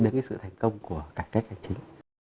đến cái sự thành công của cải cách hành chính